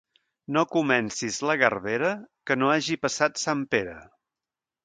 No comencis la garbera que no hagi passat Sant Pere.